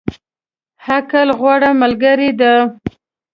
عقل، غوره ملګری دی.